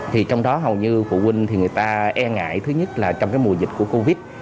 thì trong đó hầu như phụ huynh thì người ta e ngại thứ nhất là trong cái mùa dịch của covid